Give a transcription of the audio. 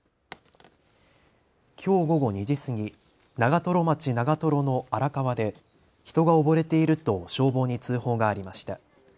きょう午後２時過ぎ、長瀞町長瀞の荒川で人が溺れていると消防に通報がありました。